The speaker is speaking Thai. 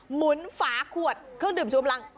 หมุนฝาขวดเครื่องดื่มชูกำลัง